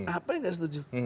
apanya gak setuju